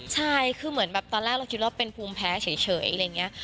ใช่คือเหมือนแบบตอนแรกเราคิดว่าเป็นภูมิแพ้เฉยอะไรอย่างนี้